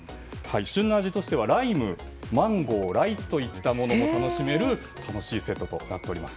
旬な味としてはライムマンゴー、ライチといった楽しめる、楽しいセットとなっております。